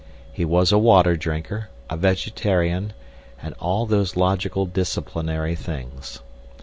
He was a water drinker, a vegetarian, and all those logical disciplinary things.